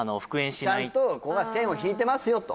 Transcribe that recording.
ちゃんとここから線を引いてますよと？